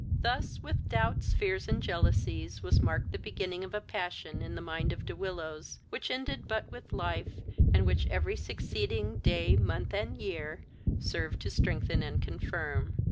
Thus, with doubts, fears, and jealousies, was marked the beginning of a passion in the mind of De Willows, which ended but with life, and which every succeeding day, month, and year, served to strengthen and confirm.